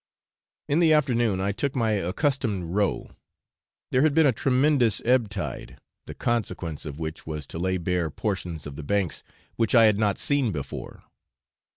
In the afternoon I took my accustomed row: there had been a tremendous ebb tide, the consequence of which was to lay bare portions of the banks which I had not seen before.